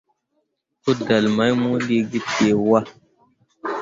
Kudelle mai mo liigi pǝgwahe.